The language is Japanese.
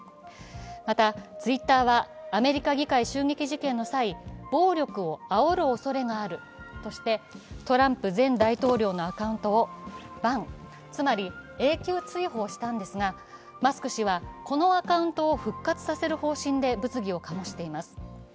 また、Ｔｗｉｔｔｅｒはアメリカ議会襲撃事件の際暴力をあおるおそれがあるとしてトランプ前大統領のアカウントをＢＡＮ、つまり永久追放したんですが、マスク氏はこのアカウントを復活させる方針で物議を醸しています。